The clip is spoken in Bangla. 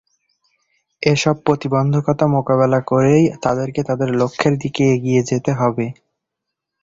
এসব প্রতিবন্ধকতা মোকাবেলা করেই তাদেরকে তাদের লক্ষ্যের দিকে এগিয়ে যেতে হবে।